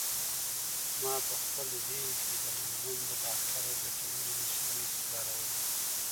ما په خپل ذهن کې د لندن د ډاکتر ګټورې مشورې تکرارولې.